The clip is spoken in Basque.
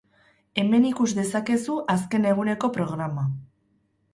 Hemen ikus dezakezu azken eguneko programa.